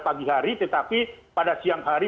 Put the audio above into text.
pagi hari tetapi pada siang hari